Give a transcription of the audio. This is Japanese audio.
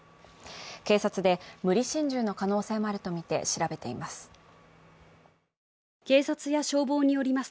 警察で無理心中の可能性もあるとみて調べています。